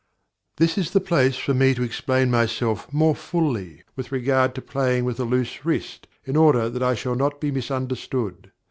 This is the place for me to explain myself more fully with regard to playing with a loose wrist, in order that I shall not be misunderstood.